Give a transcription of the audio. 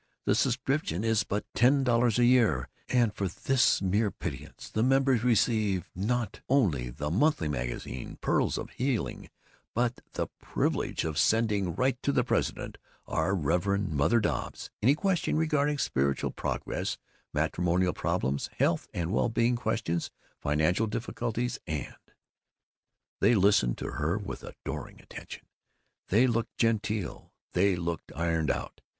The subscription is but ten dollars a year, and for this mere pittance the members receive not only the monthly magazine, Pearls of Healing, but the privilege of sending right to the president, our revered Mother Dobbs, any questions regarding spiritual progress, matrimonial problems, health and well being questions, financial difficulties, and " They listened to her with adoring attention. They looked genteel. They looked ironed out.